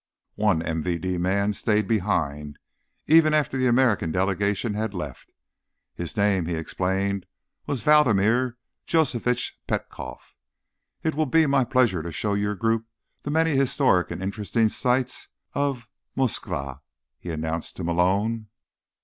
One MVD man stayed behind, even after the American delegation had left. His name, he explained, was Vladimir Josefovitch Petkoff. "It will be my pleasure to show your group the many historic and interesting sights of Moskva," he announced to Malone.